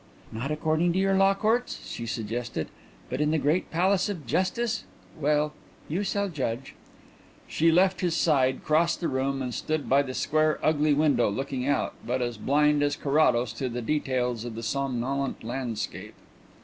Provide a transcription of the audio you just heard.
"Not according to your Law Courts?" she suggested. "But in the great Palace of Justice?... Well, you shall judge." She left his side, crossed the room, and stood by the square, ugly window, looking out, but as blind as Carrados to the details of the somnolent landscape.